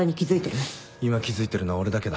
今気付いてるのは俺だけだ。